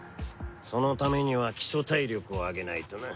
そのためには基礎体力を上げないとな。